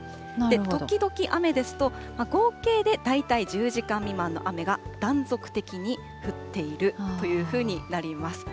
時々雨ですと、合計で大体１０時間未満の雨が断続的に降っているというふうになります。